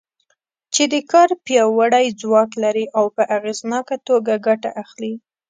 چې د کار پیاوړی ځواک لري او په اغېزناکه توګه ګټه اخلي.